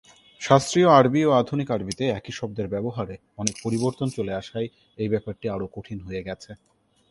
শাস্ত্রীয় আরবি ও আধুনিক আরবিতে একই শব্দের ব্যবহারে অনেক পরিবর্তন চলে আসায় এই ব্যাপারটি আরও কঠিন হয়ে গেছে।